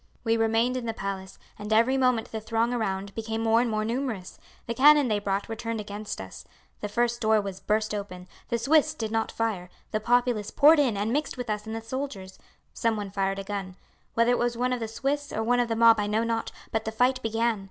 "We remained in the palace, and every moment the throng around became more and more numerous. The cannon they brought were turned against us. The first door was burst open, the Swiss did not fire, the populace poured in and mixed with us and the soldiers. Some one fired a gun. Whether it was one of the Swiss or one of the mob I know not, but the fight began.